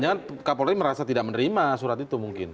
jangan kapolri merasa tidak menerima surat itu mungkin